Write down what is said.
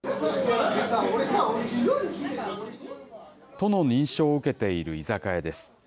都の認証を受けている居酒屋です。